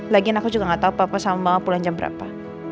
lagian aku juga gak tau papa sama pulang jam berapa